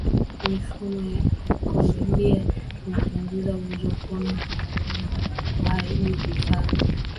mifumo ya ikolojia unapunguza uwezo wa kuona na kuharibu vifaa